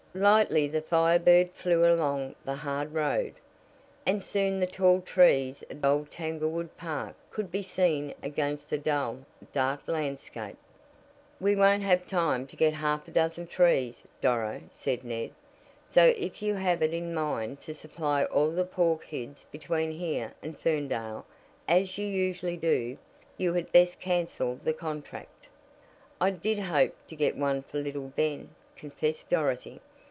Lightly the Fire Bird flew along the hard road, and soon the tall trees of old Tanglewood Park could be seen against the dull, dark landscape. "We won't have time to get half a dozen trees, Doro," said Ned, "so if you have it in mind to supply all the poor kids between here and Ferndale, as you usually do, you had best cancel the contract." "I did hope to get one for little Ben," confessed Dorothy.